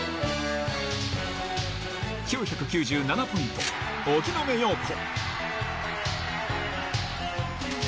９９７ポイント、荻野目洋子。